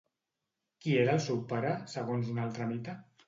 Qui era el seu pare, segons un altre mite?